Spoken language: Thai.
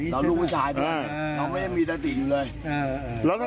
เราลูกผู้ชายเราไม่ได้มีตัดติอยู่เลยแล้วทำไมทำไมคงคืนเขาว่า